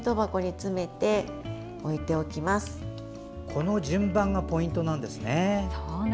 この順番がポイントなんですね。